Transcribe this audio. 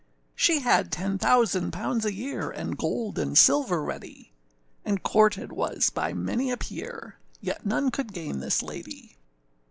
She had ten thousand pounds a year, And gold and silver ready, And courted was by many a peer, Yet none could gain this lady.